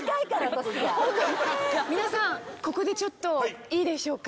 皆さんここでちょっといいでしょうか？